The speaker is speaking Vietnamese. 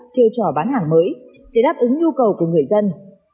chiêu trò bán hàng mới để đáp ứng nhu cầu của người dân